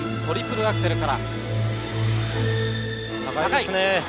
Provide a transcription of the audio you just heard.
トリプルアクセルです。